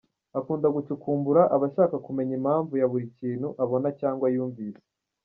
Akunda gucukumbura ,aba ashaka kumenya impamvu ya buri kintu abona cyangwa yumvise.